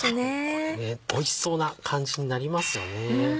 これねおいしいそうな感じになりますよね。